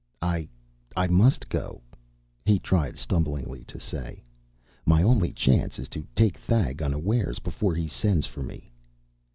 "I I must go," he tried stumblingly to say. "My only chance is to take Thag unawares, before he sends for me."